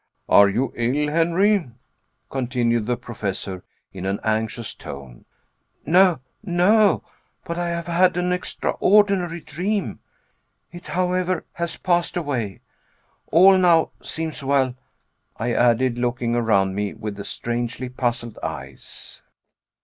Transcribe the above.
"Are you ill, Henry?" continued the Professor in an anxious tone. "No no; but I have had an extraordinary dream. It, however, has passed away. All now seems well," I added, looking around me with strangely puzzled eyes.